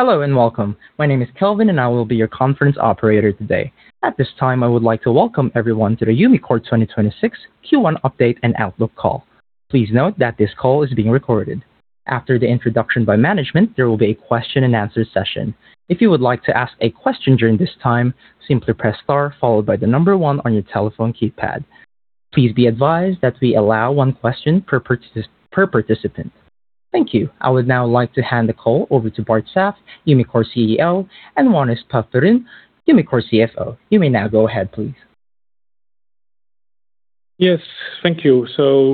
Hello and welcome. My name is Kelvin. I will be your conference operator today. At this time, I would like to welcome everyone to the Umicore 2026 Q1 Update and Outlook Call. Please note that this call is being recorded. After the introduction by management, there will be a question and answer session. If you would like to ask a question during this time, simply press star followed by one on your telephone keypad. Please be advised that we allow one question per participant. Thank you. I would now like to hand the call over to Bart Sap, Umicore CEO, and Wannes Peferoen, Umicore CFO. You may now go ahead, please. Yes. Thank you.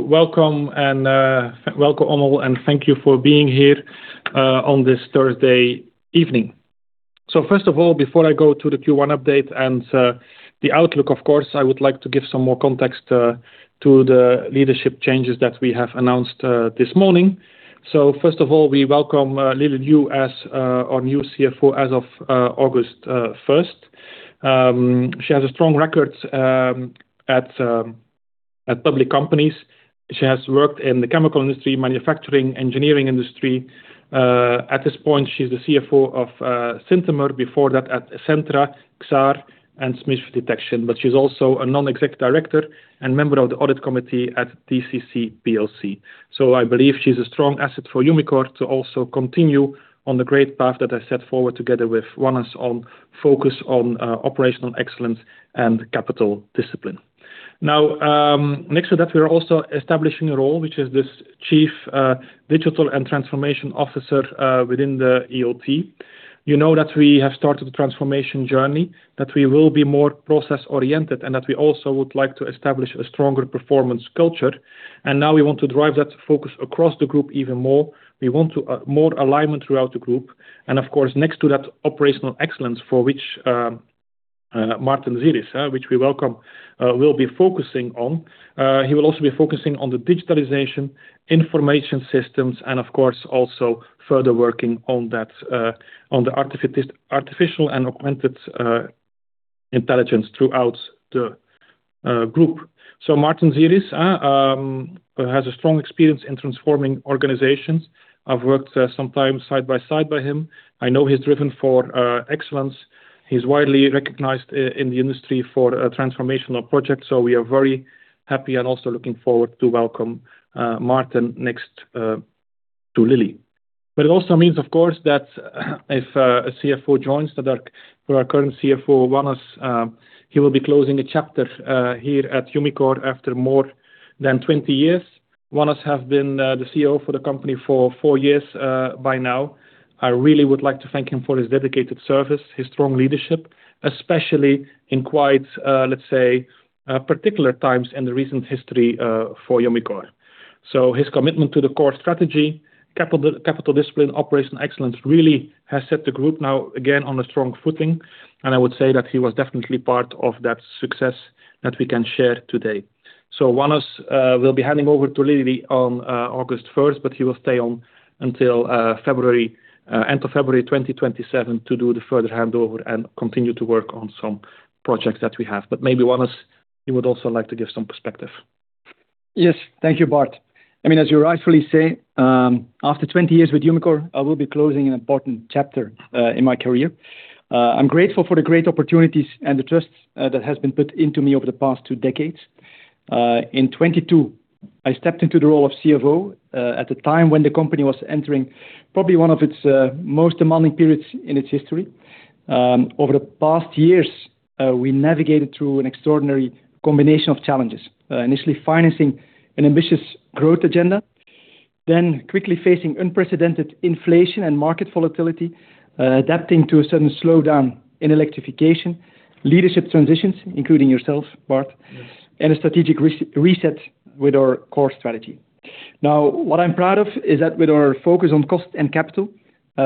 Welcome and welcome all and thank you for being here on this Thursday evening. First of all, before I go to the Q1 update and the outlook of course, I would like to give some more context to the leadership changes that we have announced this morning. First of all, we welcome Lily Liu as our new CFO as of August first. She has a strong record at public companies. She has worked in the chemical industry, manufacturing, engineering industry. At this point, she's the CFO of Centamin, before that at Essentra, Xaar, and Smiths Detection. She's also a Non-Executive Director and member of the audit committee at DCC plc. I believe she's a strong asset for Umicore to also continue on the great path that I set forward together with Wannes on focus on operational excellence and capital discipline. Now, next to that, we are also establishing a role, which is this Chief Digital and Transformation Officer within the EOP. You know that we have started the transformation journey, that we will be more process-oriented, and that we also would like to establish a stronger performance culture. Now we want to drive that focus across the group even more. We want to more alignment throughout the group. Of course, next to that operational excellence for which Marten Zieris, which we welcome, will be focusing on. He will also be focusing on the digitalization information systems and of course, also further working on that, on the Artificial and Augmented Intelligence throughout the group. Marten Zieris has a strong experience in transforming organizations. I've worked sometimes side by side by him. I know he's driven for excellence. He's widely recognized in the industry for transformational projects. We are very happy and also looking forward to welcome Marten next to Lily. It also means, of course, that if a CFO joins that for our current CFO, Wannes, he will be closing a chapter here at Umicore after more than 20 years. Wannes have been the CFO for the company for four years by now. I really would like to thank him for his dedicated service, his strong leadership, especially in quite, let's say, particular times in the recent history, for Umicore. His commitment to the core strategy, capital discipline, operational excellence, really has set the group now again on a strong footing. I would say that he was definitely part of that success that we can share today. Wannes will be handing over to Lily on August 1st, but he will stay on until February, end of February 2027 to do the further handover and continue to work on some projects that we have. Maybe, Wannes, you would also like to give some perspective. Yes. Thank you, Bart. As you rightfully say, after 20 years with Umicore, I will be closing an important chapter in my career. I'm grateful for the great opportunities and the trust that has been put into me over the past two decades. In 2022, I stepped into the role of CFO at the time when the company was entering probably one of its most demanding periods in its history. Over the past years, we navigated through an extraordinary combination of challenges. Initially financing an ambitious growth agenda, then quickly facing unprecedented inflation and market volatility, adapting to a sudden slowdown in electrification, leadership transitions, including yourself, Bart. Yes A strategic reset with our core strategy. What I'm proud of is that with our focus on cost and capital,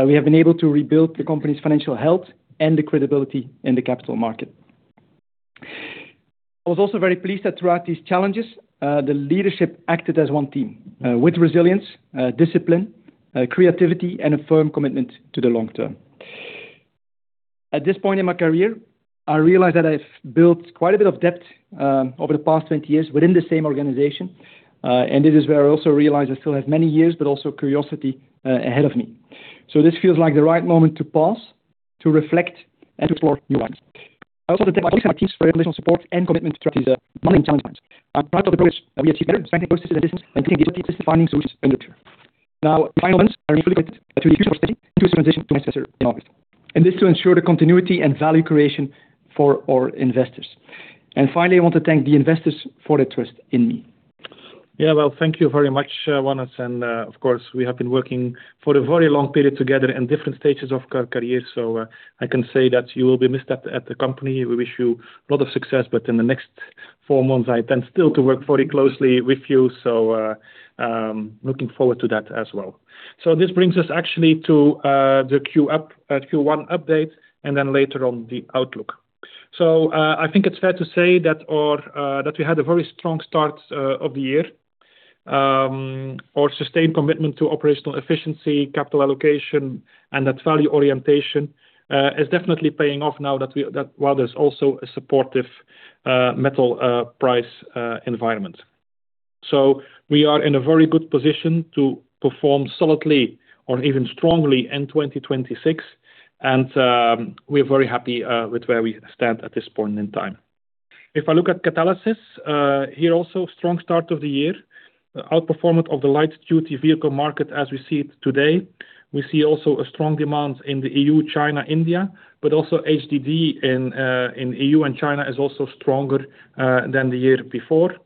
we have been able to rebuild the company's financial health and the credibility in the capital market. I was also very pleased that throughout these challenges, the leadership acted as one team, with resilience, discipline, creativity, and a firm commitment to the long term. At this point in my career, I realize that I've built quite a bit of depth over the past 20 years within the same organization. This is where I also realize I still have many years, but also curiosity ahead of me. This feels like the right moment to pause, to reflect, and to explore new lines. I also have a piece for your additional support and commitment throughout these challenging times. I'm proud of the progress that we achieved together, strengthening processes and disciplines, and I think this is defining solutions in the future. Final ones are infiltrated to the future of study through this transition to my successor in August, and this to ensure the continuity and value creation for our investors. Finally, I want to thank the investors for the trust in me. Yeah. Well, thank you very much, Wannes. Of course, we have been working for a very long period together in different stages of our careers. I can say that you will be missed at the company. We wish you a lot of success, but in the next four months, I tend still to work very closely with you. Looking forward to that as well. This brings us actually to the Q1 update, and then later on the outlook. I think it's fair to say that we had a very strong start of the year. Our sustained commitment to operational efficiency, capital allocation, and that value orientation is definitely paying off now that while there's also a supportive metal price environment. We are in a very good position to perform solidly or even strongly in 2026, and we're very happy with where we stand at this point in time. If I look at Catalysis, here also strong start of the year. Outperformance of the light-duty vehicle market as we see it today. We see also a strong demand in the EU, China, India, but also HDD in EU and China is also stronger than the year before.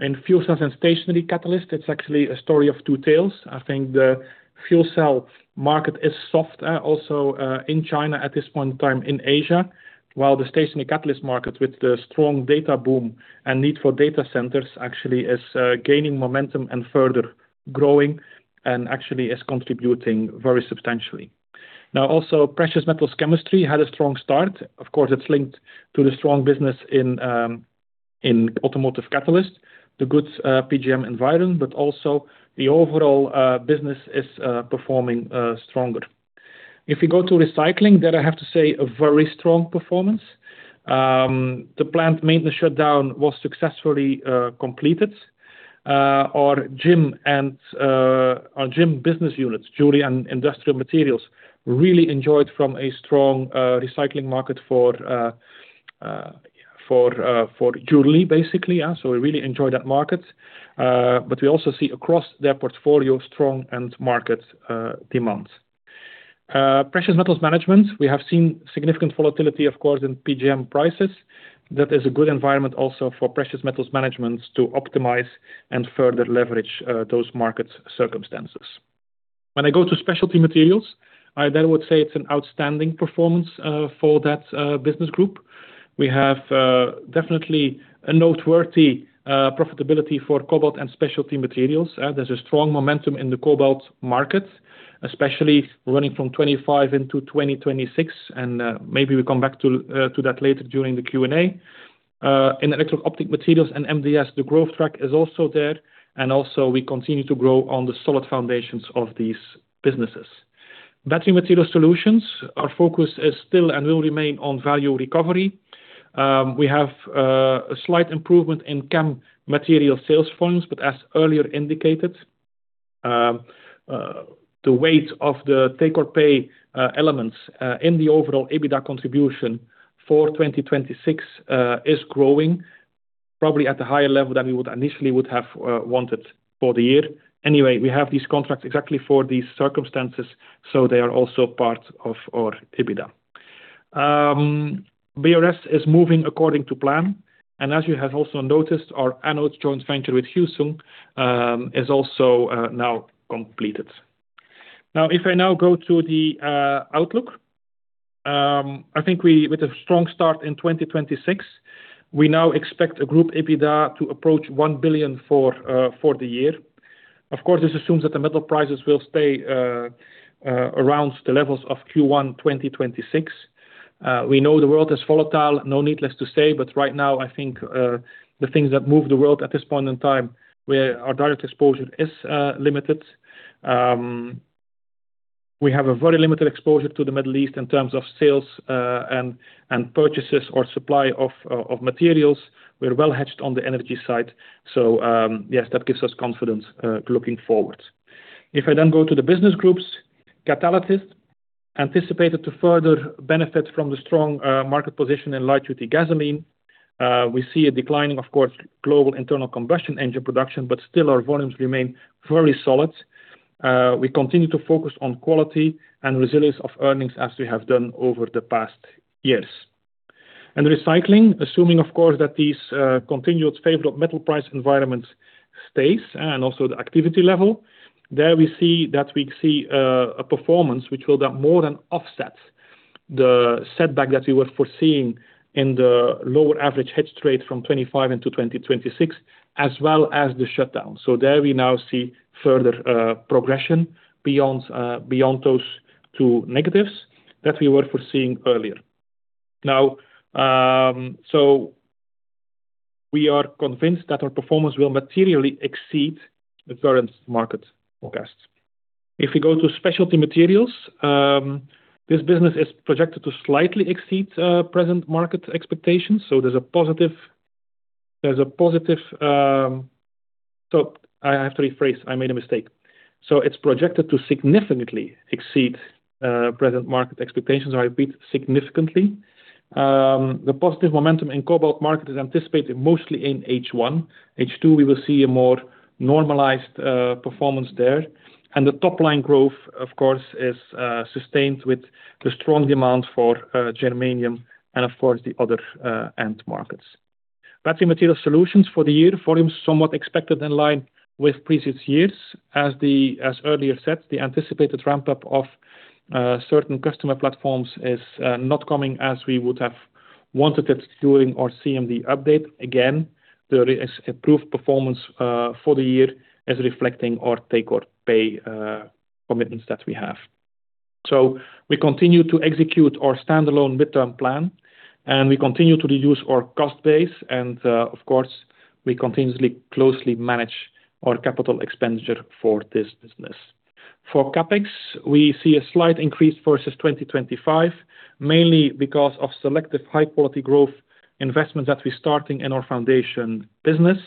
In Fuel Cell & Stationary Catalysts, it's actually a story of two tales. I think the Fuel Cell market is soft, also in China at this point in time, in Asia. While the stationary catalyst market with the strong data boom and need for data centers actually is gaining momentum and further growing and actually is contributing very substantially. Of course, Precious Metals Chemistry had a strong start. It's linked to the strong business in automotive catalyst, the good PGM environment, but also the overall business is performing stronger. If we go to Recycling, there I have to say a very strong performance. The plant maintenance shutdown was successfully completed. Our JIM business units, Jewelry and Industrial Materials, really enjoyed from a strong recycling market for jewelry, basically. We really enjoy that market. We also see across their portfolio, strong end market demands. Precious Metals Management, we have seen significant volatility, of course, in PGM prices. That is a good environment also for Precious Metals Management to optimize and further leverage those market circumstances. When I go to Specialty Materials, I then would say it's an outstanding performance for that business group. We have definitely a noteworthy profitability for Cobalt & Specialty Materials. There's a strong momentum in the cobalt market, especially running from 2025 into 2026, and maybe we come back to that later during the Q&A. In Electro-Optic Materials and MDS, the growth track is also there, and also we continue to grow on the solid foundations of these businesses. Battery Materials Solutions, our focus is still and will remain on value recovery. We have a slight improvement in CAM material sales volumes. As earlier indicated, the weight of the take-or-pay elements in the overall EBITDA contribution for 2026 is growing probably at a higher level than we would initially would have wanted for the year. Anyway, we have these contracts exactly for these circumstances. They are also part of our EBITDA. BRS is moving according to plan. As you have also noticed, our anodes joint venture with Hyosung is also now completed. Now, if I now go to the outlook, I think with a strong start in 2026, we now expect a group EBITDA to approach 1 billion for the year. Of course, this assumes that the metal prices will stay around the levels of Q1 2026. We know the world is volatile, no needless to say, right now I think the things that move the world at this point in time, where our direct exposure is limited. We have a very limited exposure to the Middle East in terms of sales, and purchases or supply of materials. We're well hedged on the energy side. Yes, that gives us confidence looking forward. If I go to the business groups, Catalysis anticipated to further benefit from the strong market position in light duty gasoline. We see a declining, of course, global internal combustion engine production, still our volumes remain very solid. We continue to focus on quality and resilience of earnings as we have done over the past years. Recycling, assuming, of course, that these continued favorable metal price environment stays and also the activity level, there we see that we see a performance which will then more than offset the setback that we were foreseeing in the lower average hedge rate from 2025 into 2026, as well as the shutdown. There we now see further progression beyond those two negatives that we were foreseeing earlier. We are convinced that our performance will materially exceed the current market forecast. If we go to Specialty Materials, this business is projected to slightly exceed present market expectations. There's a positive. I have to rephrase. I made a mistake. It's projected to significantly exceed present market expectations, I repeat, significantly. The positive momentum in cobalt market is anticipated mostly in H1. H2, we will see a more normalized performance there. The top line growth, of course, is sustained with the strong demand for germanium and of course the other end markets. Battery Materials Solutions for the year, volume somewhat expected in line with previous years. As earlier said, the anticipated ramp-up of certain customer platforms is not coming as we would have wanted it during our CMD update. There is improved performance for the year as reflecting our take-or-pay commitments that we have. We continue to execute our standalone midterm plan, and we continue to reduce our cost base and, of course, we continuously closely manage our capital expenditure for this business. For CapEx, we see a slight increase versus 2025, mainly because of selective high-quality growth investments that we're starting in our foundation business.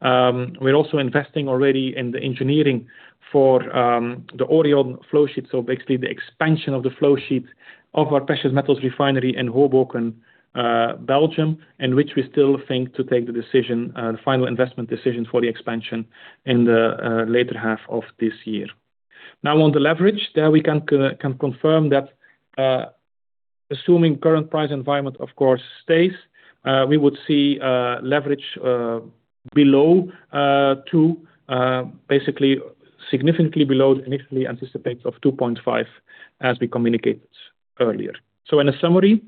We're also investing already in the engineering for the Orion flow sheet. Basically, the expansion of the flow sheet of our precious metals refinery in Hoboken, Belgium, and which we still think to take the decision, the final investment decision for the expansion in the later half of this year. Now, on the leverage, there we can confirm that, assuming current price environment of course stays, we would see leverage below 2x, basically significantly below the initially anticipate of 2.5x as we communicated earlier. In a summary,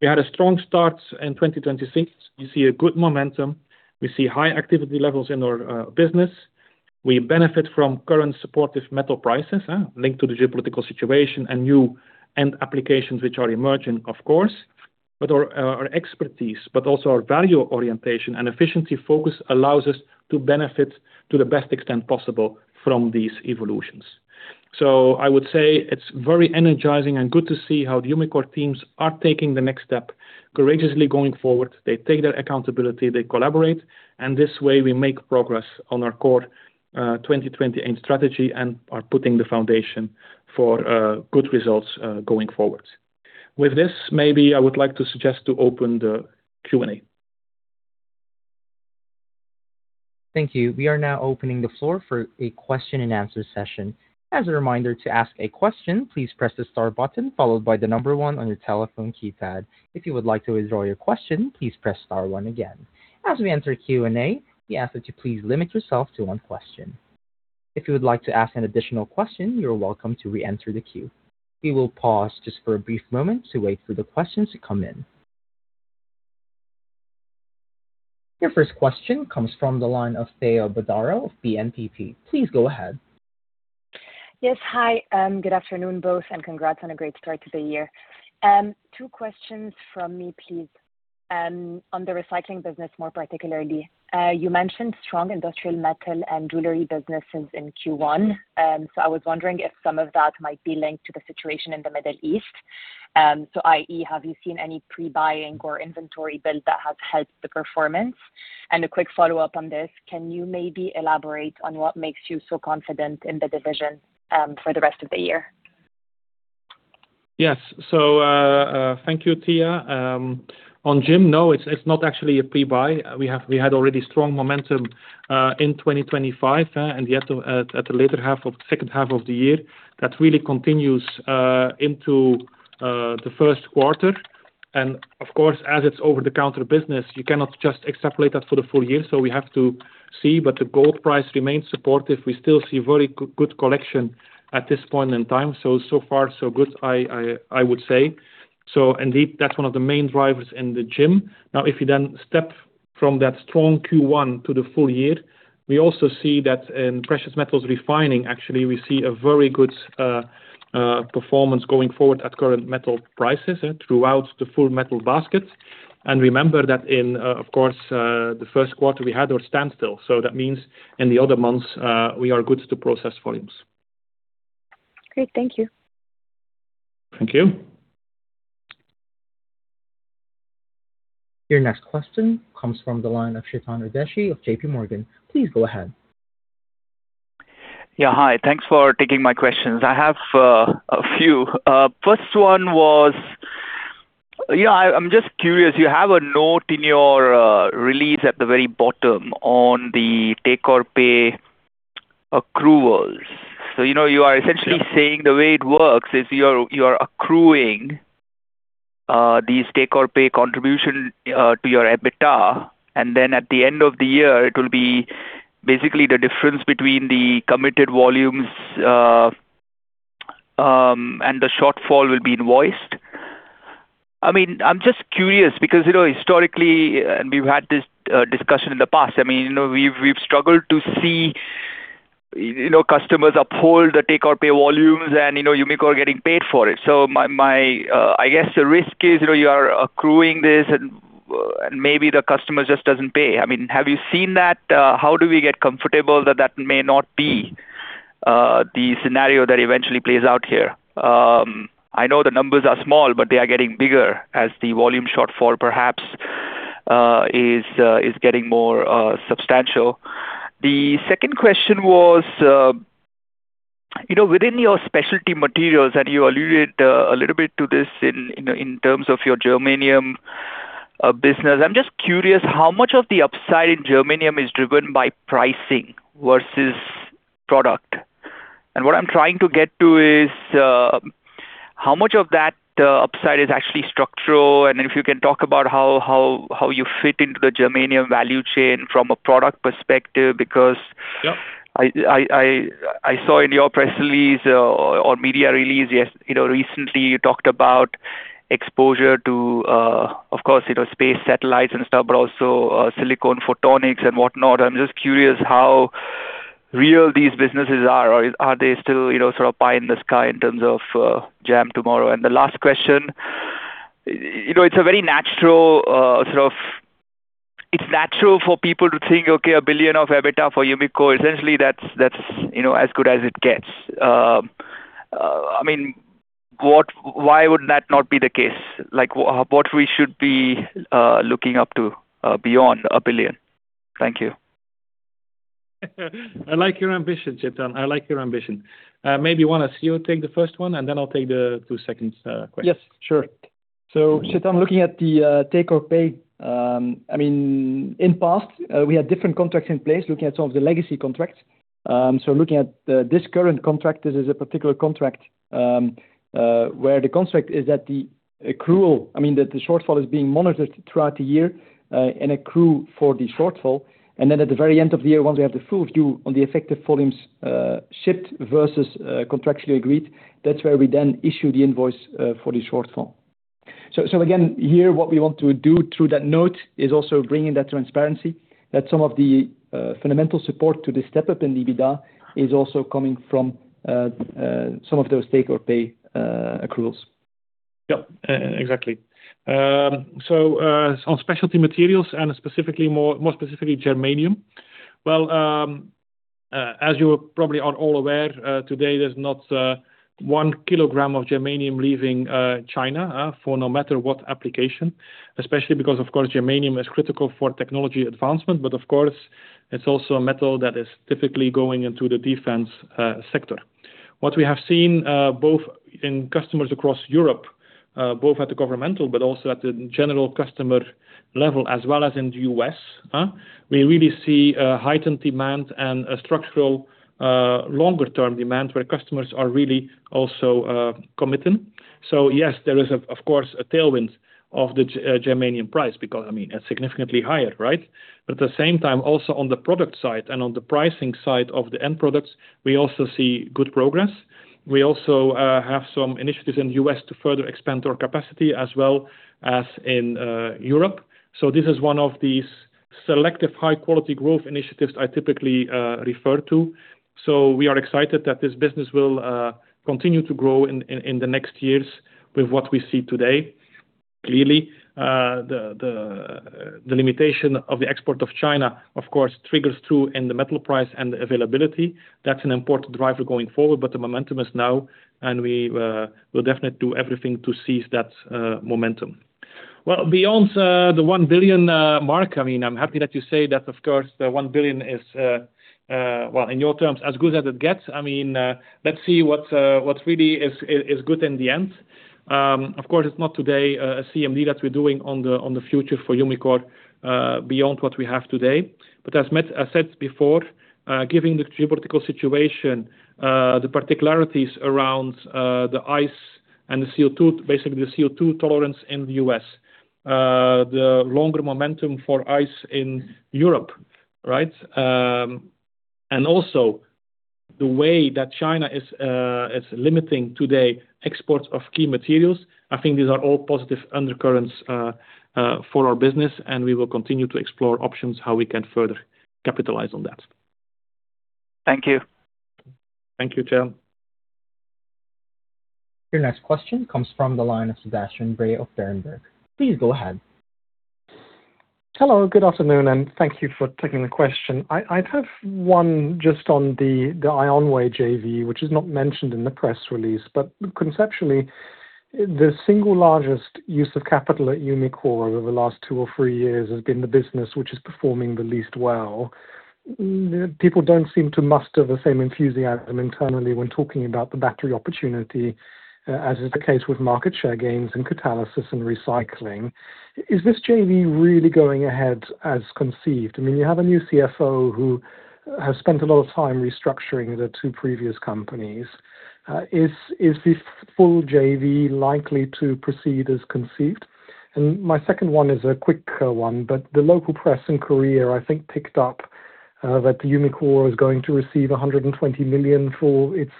we had a strong start in 2026. We see a good momentum. We see high activity levels in our business. We benefit from current supportive metal prices, linked to the geopolitical situation and new end applications which are emerging, of course. Our expertise, but also our value orientation and efficiency focus allows us to benefit to the best extent possible from these evolutions. I would say it's very energizing and good to see how the Umicore teams are taking the next step, courageously going forward. They take their accountability, they collaborate, and this way we make progress on our core, 2020 aim strategy and are putting the foundation for good results going forward. With this, maybe I would like to suggest to open the Q&A. Thank you. We are now opening the floor for a question and answer session. As a reminder, to ask a question, please press the star button followed by number one on your telephone keypad. If you would like to withdraw your question, please press star one again. As we enter Q&A, we ask that you please limit yourself to one question. If you would like to ask an additional question, you're welcome to re-enter the queue. We will pause just for a brief moment to wait for the questions to come in. Your first question comes from the line of Tristan Lamotte of BNPP. Please go ahead. Yes. Hi, good afternoon both, congrats on a great start to the year. Two questions from me, please, on the Recycling business, more particularly. You mentioned strong industrial Metal and Jewelry businesses in Q1. I was wondering if some of that might be linked to the situation in the Middle East, i.e., have you seen any pre-buying or inventory build that has helped the performance? A quick follow-up on this, can you maybe elaborate on what makes you so confident in the division for the rest of the year? Yes. Thank you, [Tristan]. On JIM, no, it's not actually a pre-buy. We had already strong momentum in 2025, and yet, at the second half of the year, that really continues into the first quarter. Of course, as it's over-the-counter business, you cannot just extrapolate that for the full year. We have to see. The gold price remains supportive. We still see very good collection at this point in time. So far so good, I would say. Indeed, that's one of the main drivers in the JIM. If you then step from that strong Q1 to the full year, we also see that in Precious Metals Refining, actually, we see a very good performance going forward at current metal prices throughout the full metal basket. Remember that in, of course, the first quarter we had our standstill. That means in the other months, we are good to process volumes. Great. Thank you. Thank you. Your next question comes from the line of Chetan Udeshi of JPMorgan. Please go ahead. Yeah, hi. Thanks for taking my questions. I have a few. I'm just curious, you have a note in your release at the very bottom on the take-or-pay accruals. You know, you are essentially saying the way it works is you're accruing these take-or-pay contribution to your EBITDA, and then at the end of the year, it will be basically the difference between the committed volumes and the shortfall will be invoiced. I mean, I'm just curious because, you know, historically, and we've had this discussion in the past, I mean, you know, we've struggled to see, you know, customers uphold the take-or-pay volumes and Umicore getting paid for it. My, my, I guess the risk is, you know, you are accruing this and maybe the customer just doesn't pay. I mean, have you seen that? How do we get comfortable that that may not be the scenario that eventually plays out here? I know the numbers are small, but they are getting bigger as the volume shortfall perhaps is getting more substantial. The second question was, you know, within your Specialty Materials, and you alluded a little bit to this in, you know, in terms of your germanium business, I'm just curious how much of the upside in germanium is driven by pricing versus product? What I'm trying to get to is, how much of that upside is actually structural, and if you can talk about how you fit into the germanium value chain from a product perspective. Yeah. I saw in your press release or media release, you know, recently you talked about exposure to, of course, you know, space satellites and stuff, but also, silicon photonics and whatnot. I'm just curious how real these businesses are or are they still, you know, sort of pie in the sky in terms of, gem tomorrow? The last question, it's a very natural. It's natural for people to think, okay, 1 billion of EBITDA for Umicore, essentially, that's, you know, as good as it gets. I mean, why would that not be the case? Like, what we should be looking up to, beyond 1 billion? Thank you. I like your ambition, Chetan. I like your ambition. Maybe, Wannes, you take the first one, and then I'll take the second question. Yes, sure. Chetan, looking at the take-or-pay, I mean, in past, we had different contracts in place looking at some of the legacy contracts. Looking at this current contract, this is a particular contract, where the contract is at the accrual. I mean, that the shortfall is being monitored throughout the year, and accrue for the shortfall. At the very end of the year, once we have the full view on the effective volumes, shipped versus contractually agreed, that's where we then issue the invoice for the shortfall. Again, here, what we want to do through that note is also bring in that transparency that some of the fundamental support to the step-up in the EBITDA is also coming from some of those take or pay accruals. Yeah. Exactly. On Specialty Materials and specifically more, more specifically germanium. Well, as you probably are all aware, today, there's not 1 kg of germanium leaving China for no matter what application. Especially because, of course, germanium is critical for technology advancement, but of course, it's also a metal that is typically going into the Defense sector. What we have seen, both in customers across Europe, both at the governmental but also at the general customer level, as well as in the U.S., we really see a heightened demand and a structural, longer term demand where customers are really also committing. Yes, there is of course a tailwind of the germanium price because, I mean, it's significantly higher, right? At the same time, also on the product side and on the pricing side of the end products, we also see good progress. We also have some initiatives in the U.S. to further expand our capacity as well as in Europe. This is one of these selective high-quality growth initiatives I typically refer to. We are excited that this business will continue to grow in the next years with what we see today. Clearly, the limitation of the export of China, of course, triggers through in the metal price and the availability. That's an important driver going forward, but the momentum is now, and we will definitely do everything to seize that momentum. Well, beyond the 1 billion mark, I mean, I'm happy that you say that, of course, the 1 billion is, well, in your terms, as good as it gets. I mean, let's see what really is good in the end. Of course, it's not today a CMD that we're doing on the future for Umicore beyond what we have today. As Marten has said before, giving the geopolitical situation, the particularities around the ICE and the CO₂, basically the CO₂ tolerance in the U.S. The longer momentum for ICE in Europe, right? Also the way that China is limiting today exports of key materials. I think these are all positive undercurrents for our business, and we will continue to explore options, how we can further capitalize on that. Thank you. Thank you, Chetan. Your next question comes from the line of Sebastian Bray of Berenberg. Please go ahead. Hello, good afternoon, and thank you for taking the question. I'd have one just on the IONWAY JV, which is not mentioned in the press release. Conceptually, the single largest use of capital at Umicore over the last two or three years has been the business which is performing the least well. People don't seem to muster the same enthusiasm internally when talking about the battery opportunity, as is the case with market share gains in Catalysis and Recycling. Is this JV really going ahead as conceived? I mean, you have a new CFO who has spent a lot of time restructuring the two previous companies. Is this full JV likely to proceed as conceived? My second one is a quick one. The local press in Korea, I think, picked up that Umicore is going to receive 120 million for its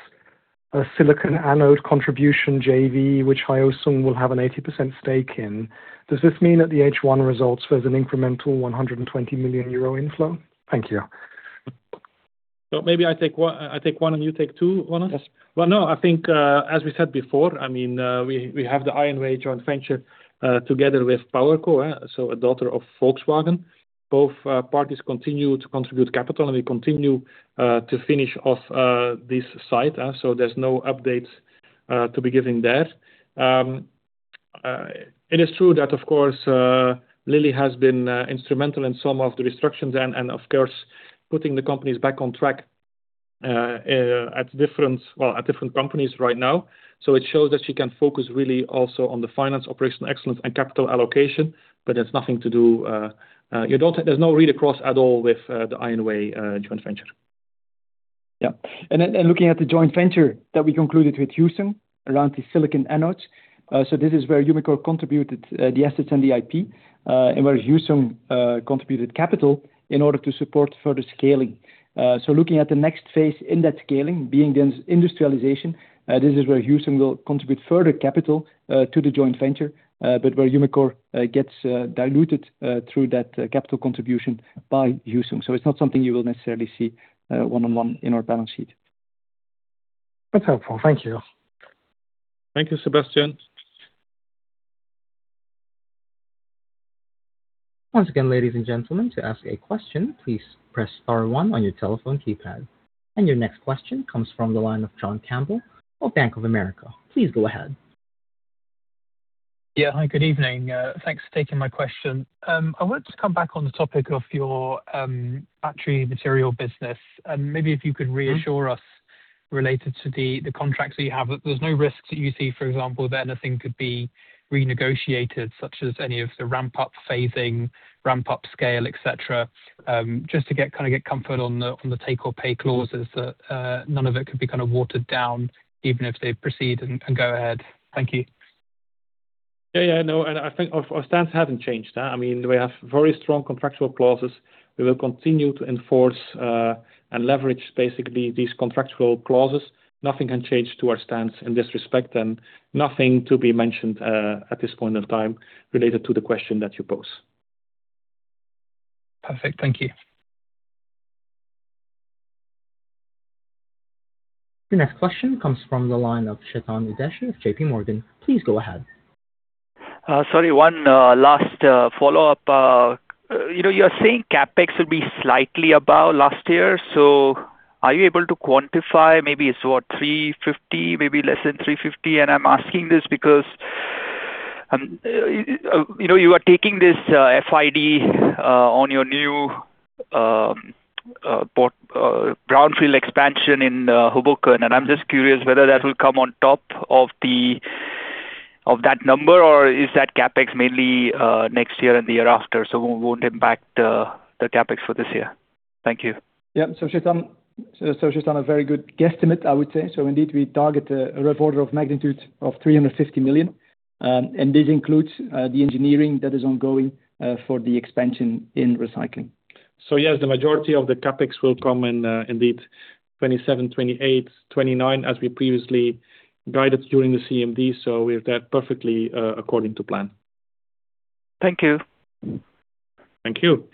silicon anode contribution JV, which Hyosung will have an 80% stake in. Does this mean that the H1 results, there's an incremental 120 million euro inflow? Thank you. Maybe I take one and you take two, Wannes. Yes. No, I think, as we said before, I mean, we have the IONWAY joint venture, together with PowerCo, so a daughter of Volkswagen. Both parties continue to contribute capital, we continue to finish off this site. There's no update to be giving there. It is true that of course, Lily has been instrumental in some of the restructures and of course, putting the companies back on track at different companies right now. It shows that she can focus really also on the finance, operational excellence and capital allocation. There's no read across at all with the IONWAY Joint Venture. Yeah. Looking at the Joint Venture that we concluded with Hyosung around the silicon anodes. This is where Umicore contributed the assets and the IP, and where Hyosung contributed capital in order to support further scaling. Looking at the next phase in that scaling being the industrialization, this is where Hyosung will contribute further capital to the Joint Venture, but where Umicore gets diluted through that capital contribution by Hyosung. It's not something you will necessarily see one-on-one in our balance sheet. That's helpful. Thank you. Thank you, Sebastian. Once again, ladies and gentlemen. Your next question comes from the line of John Campbell of Bank of America. Please go ahead. Yeah. Hi, good evening. Thanks for taking my question. I want to come back on the topic of your Battery Materials Solutions business, and maybe if you could reassure us related to the contracts that you have, that there's no risks that you see, for example, that anything could be renegotiated, such as any of the ramp-up phasing, ramp-up scale, et cetera. Just to get comfort on the take or pay clauses that none of it could be kind of watered down even if they proceed and go ahead. Thank you. Yeah, yeah. No, I think our stance hasn't changed. I mean, we have very strong contractual clauses. We will continue to enforce and leverage basically these contractual clauses. Nothing can change to our stance in this respect, and nothing to be mentioned at this point in time related to the question that you pose. Perfect. Thank you. The next question comes from the line of Chetan Udeshi of JPMorgan. Please go ahead. Sorry, one last follow-up. You know, you're saying CapEx will be slightly above last year, are you able to quantify, maybe it's what, 350, maybe less than 350? I'm asking this because, you know, you are taking this FID on your new port... brownfield expansion in Hoboken, I'm just curious whether that will come on top of that number, or is that CapEx mainly next year and the year after, won't impact the CapEx for this year? Thank you. Yeah. Chetan, a very good guesstimate, I would say. Indeed, we target a rough order of magnitude of 350 million, and this includes the engineering that is ongoing for the expansion in Recycling. Yes, the majority of the CapEx will come in, indeed, 2027, 2028, 2029 as we previously guided during the CMD. We have that perfectly according to plan. Thank you. Thank you.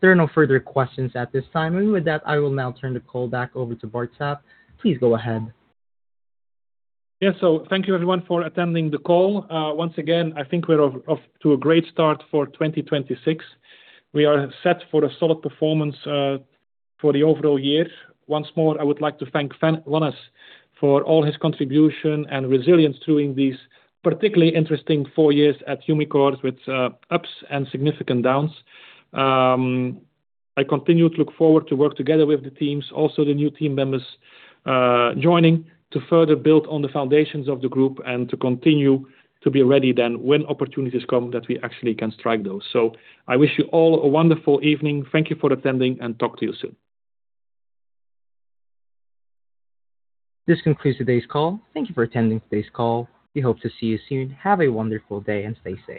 There are no further questions at this time. With that, I will now turn the call back over to Bart Sap. Please go ahead. Thank you everyone for attending the call. Once again, I think we're off to a great start for 2026. We are set for a solid performance for the overall year. Once more, I would like to thank Wannes Peferoen for all his contribution and resilience during these particularly interesting four years at Umicore with ups and significant downs. I continue to look forward to work together with the teams, also the new team members, joining to further build on the foundations of the group and to continue to be ready then when opportunities come that we actually can strike those. I wish you all a wonderful evening. Thank you for attending, and talk to you soon. This concludes today's call. Thank you for attending today's call. We hope to see you soon. Have a wonderful day, and stay safe.